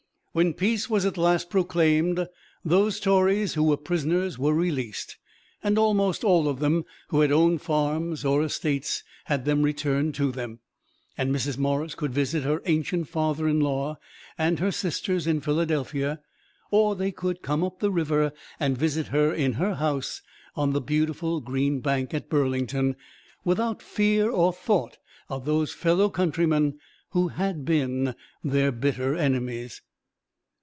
When peace was at last proclaimed, those Tories who were prisoners were released, and almost all of them who had owned farms or estates had them returned to them, and Mrs. Morris could visit her "ancient father in law" and her sisters in Philadelphia, or they could come up the river and visit her in her house on the beautiful Green Bank at Burlington, without fear or thought of those fellow countrymen who had been their bitter enemies.